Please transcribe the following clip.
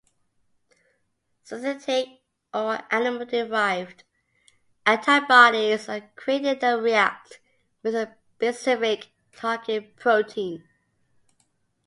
Synthetic or animal-derived antibodies are created that react with a specific target protein.